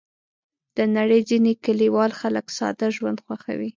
د نړۍ ځینې کلیوال خلک ساده ژوند خوښوي.